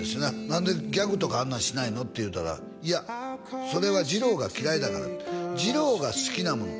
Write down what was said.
「何でギャグとかあんなんしないの？」って言うたら「いやそれはじろうが嫌いだから」ってじろうが好きなもの